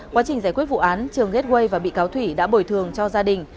quá trình giải quyết vụ án trường gateway và bị cáo thủy đã bồi thường cho gia đình